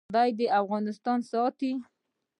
خدای دې افغانستان ساتي؟